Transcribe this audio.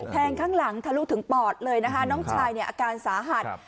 งข้างหลังทะลุถึงปอดเลยนะคะน้องชายเนี่ยอาการสาหัส